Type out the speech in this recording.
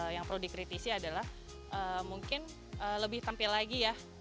yang perlu dikritisi adalah mungkin lebih tampil lagi ya